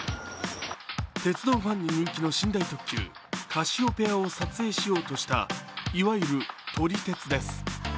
鉄道ファンに人気の寝台特急カシオペアを撮影しようとしたいわゆる撮り鉄です。